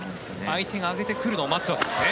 相手が上げてくるのを待つわけですね。